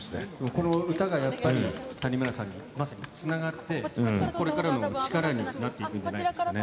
この歌がやっぱり、谷村さんにまさにつながって、これからの力になっていくんじゃないですかね。